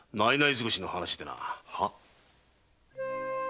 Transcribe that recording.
づくしの話でな。